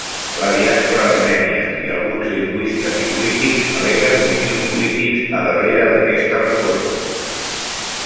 La diàspora armènia, i alguns lingüistes i polítics, al·leguen motius polítics a darrere d'aquesta reforma.